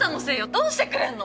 どうしてくれるの！？